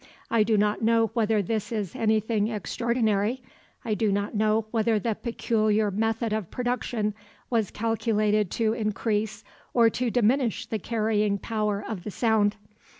I do not know whether this is anything extraordinary; I do not know whether the peculiar method of production was calculated to increase or to diminish the carrying power of the sound.